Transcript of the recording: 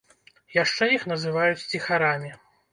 Яшчэ іх называюць ціхарамі.